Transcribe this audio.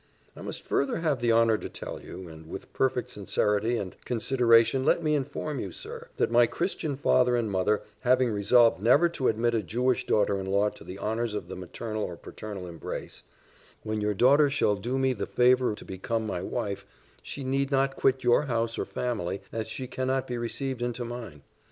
I must further have the honour to tell you, and with perfect sincerity and consideration let me inform you, sir, that my Christian father and mother having resolved never to admit a Jewish daughter in law to the honours of the maternal or paternal embrace, when your daughter shall do me the favour to become my wife, she need not quit your house or family, as she cannot be received into mine.